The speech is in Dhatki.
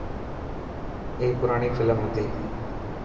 اي پراڻي فلم هتي.